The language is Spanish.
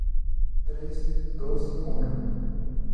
tres, dos, uno...